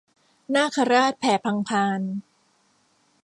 นาคราชแผ่พังพาน